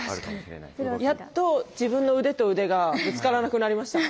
やっと自分の腕と腕がぶつからなくなりました。